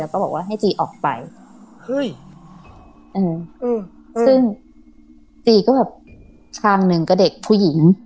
แล้วก็บอกว่าให้จีออกไปเฮ้ยอืมซึ่งจีก็แบบชามหนึ่งก็เด็กผู้หญิง